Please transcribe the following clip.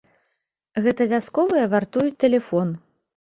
Гэта вясковыя вартуюць тэлефон.